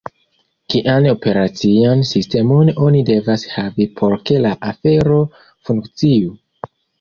Kian operacian sistemon oni devas havi por ke la afero funkciu?